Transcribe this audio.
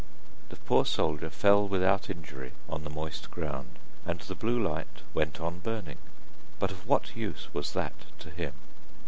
The poor soldier fell without injury on the moist ground, and the blue light went on burning, but of what use was that to him?